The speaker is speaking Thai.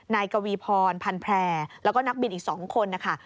กวีพรพันแพร่แล้วก็นักบินอีก๒คนนะคะ